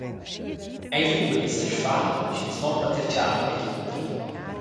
Ei fuva da sesfar, sch’ins mo patertgava vidlunder.